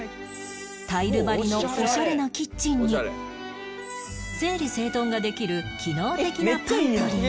タイル張りのオシャレなキッチンに整理整頓ができる機能的なパントリー